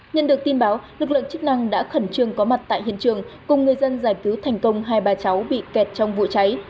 nhận được tin báo lực lượng chức năng đã khẩn trương có mặt tại hiện trường cùng người dân giải cứu thành công hai bà cháu bị kẹt trong vụ cháy